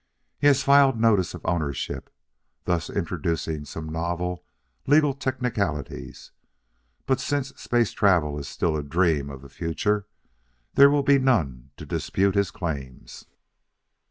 He has filed notice of ownership, thus introducing some novel legal technicalities, but, since space travel is still a dream of the future, there will be none to dispute his claims.